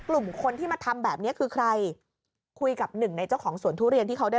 กลุ่มคนที่มาทำแบบเนี้ยคือใครคุยกับหนึ่งในเจ้าของสวนทุเรียนที่เขาได้